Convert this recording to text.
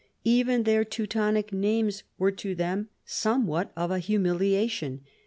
Even their Teutonic names were to them some what of a humiliation.